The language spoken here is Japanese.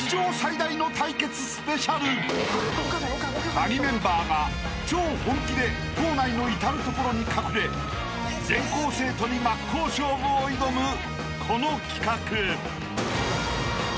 ［カギメンバーが超本気で校内の至る所に隠れ全校生徒に真っ向勝負を挑むこの企画］